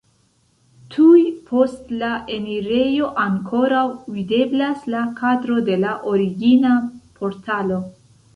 Tuj post la enirejo ankoraŭ videblas la kadro de la origina portalo.